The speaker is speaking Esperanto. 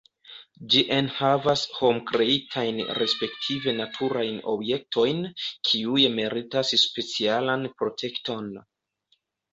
Ĝi enhavas hom-kreitajn respektive naturajn objektojn, kiuj meritas specialan protekton.